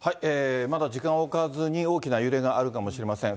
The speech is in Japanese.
まだ時間置かずに、大きな揺れがあるかもしれません。